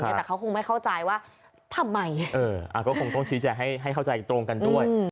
แต่เขาคงไม่เข้าใจว่าทำไมก็คงต้องชี้แจงให้เข้าใจตรงกันด้วย